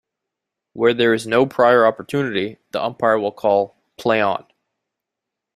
Where there is no prior opportunity, the umpire will call "play on".